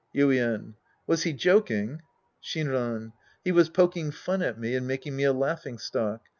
Yuien. Was he joking ? Shinran. He was poking fun at me and making me a laughing stock.